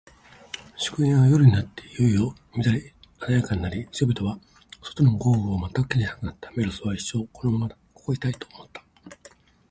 祝宴は、夜に入っていよいよ乱れ華やかになり、人々は、外の豪雨を全く気にしなくなった。メロスは、一生このままここにいたい、と思った。